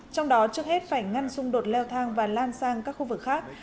trong đó trước hết phải ngăn xung đột leo thang và lan sang các khu vực khác